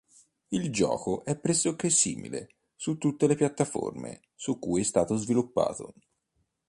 Il gioco è pressoché simile su tutte le piattaforme su cui è stato sviluppato.